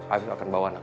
afif akan bawa anak anak